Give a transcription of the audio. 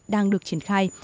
đang được triển khai